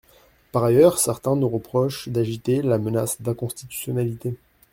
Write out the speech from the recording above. Par ailleurs, certains nous reprochent d’agiter la menace d’inconstitutionnalité.